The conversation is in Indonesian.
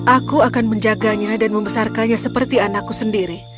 aku akan menjaganya dan membesarkannya seperti anakku sendiri